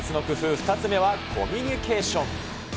２つ目はコミュニケーション。